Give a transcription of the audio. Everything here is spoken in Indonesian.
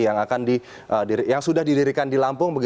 yang sudah didirikan di lampung